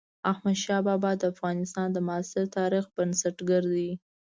احمد شاه بابا د افغانستان د معاصر تاريخ بنسټ ګر دئ.